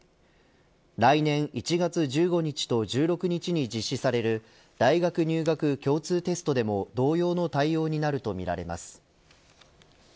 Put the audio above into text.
来年１月１５日と１６日に実施される大学入学共通テストでも同様の対応になるとみられます。